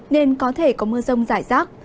nên có thể có mưa rông giải rác